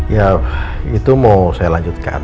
ya itu mau saya lanjutkan